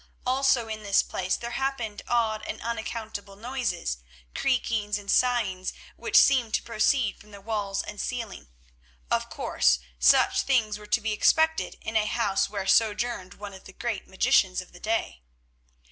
Also in this place there happened odd and unaccountable noises; creakings, and sighings which seemed to proceed from the walls and ceiling. Of course, such things were to be expected in a house where sojourned one of the great magicians of the day.